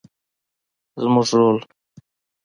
زموږ رول